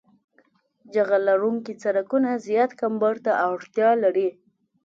جغل لرونکي سرکونه زیات کمبر ته اړتیا لري